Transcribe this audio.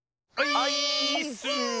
オイーッス！